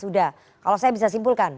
sudah kalau saya bisa simpulkan